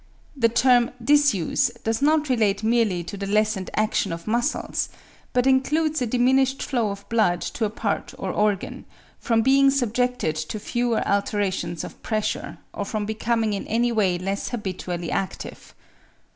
The term "disuse" does not relate merely to the lessened action of muscles, but includes a diminished flow of blood to a part or organ, from being subjected to fewer alternations of pressure, or from becoming in any way less habitually active.